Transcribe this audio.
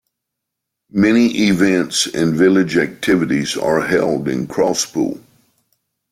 Many events and village activities are held in Crosspool.